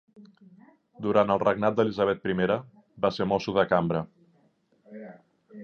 Durant el regnat d'Elisabeth I, va ser mosso de cambra.